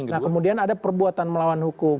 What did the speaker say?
nah kemudian ada perbuatan melawan hukum